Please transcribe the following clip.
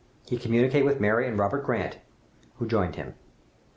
He communicated with Mary and Robert Grant, who joined him.